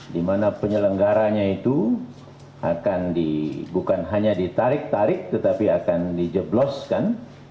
dimana penyelenggaranya itu akan dibukan hanya ditarik tarik tetapi akan dijebloskan